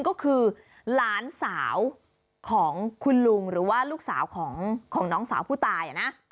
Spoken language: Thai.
ก็คือหลานสาวของคุณลุงหรือว่าลูกสาวของน้องสาวผู้ตายนะ